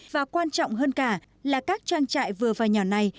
và quan trọng hơn cả là các trang trại vừa và nhỏ này